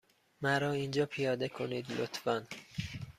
مرا اینجا پیاده کنید، لطفا.